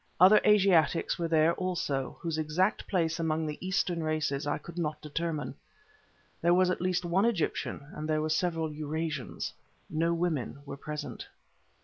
Other Asiatics there were, also, whose exact place among the Eastern races I could not determine; there was at least one Egyptian and there were several Eurasians; no women were present.